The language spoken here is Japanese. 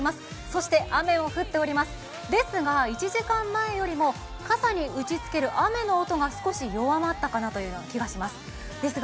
そして雨も降っておりますですが１時間前よりも傘に打ちつける雨の音が少し弱まった気がします。